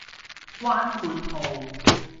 關括號